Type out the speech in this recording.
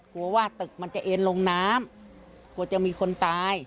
กลัวว่าตึกมันจะเอ็นลงน้ำกลัวจะมีคนตาย